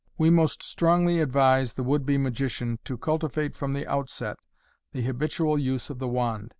We most strongly advise the would be magician to cultivate from the outset the habitual use of the wand.